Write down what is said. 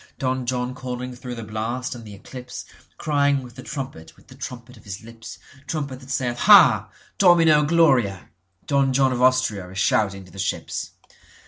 Don John calling through the blast and the eclipseCrying with the trumpet, with the trumpet of his lips, Trumpet that sayeth ha! Domino gloria! Don John of AustriaIs shouting to the ships.